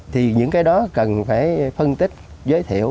thì những cái đó cần phải phân tích giới thiệu